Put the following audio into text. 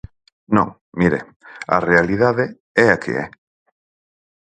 Non, mire, a realidade é a que é.